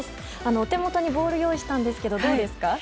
お手元にボールを用意したんですけどどうですか？